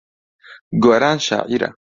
گۆران شاعیرە.